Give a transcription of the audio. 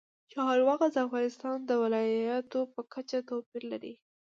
چار مغز د افغانستان د ولایاتو په کچه توپیر لري.